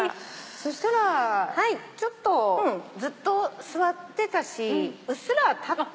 そしたらちょっとずっと座ってたしうっすら立って。